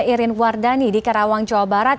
irin wardani di karawang jawa barat